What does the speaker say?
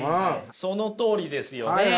そのとおりですよね！